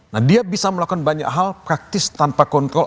nah dia bisa melakukan banyak hal praktis tanpa kontrol